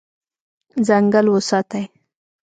ځنګل وساتئ.